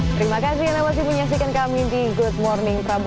terima kasih anda masih menyaksikan kami di good morning prabu